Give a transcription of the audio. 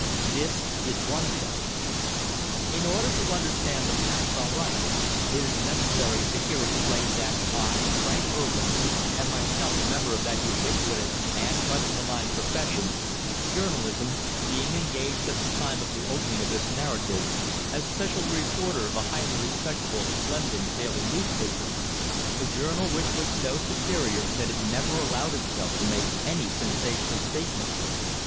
This is one of them. In order to understand the facts aright, it is necessary to here explain that I, Frank Urwin, am myself a member of that ubiquitous and much maligned profession, journalism, being engaged at the time of the opening of this narrative as special reporter of a highly respectable London daily newspaper a journal which was so superior that it never allowed itself to make any sensational statement.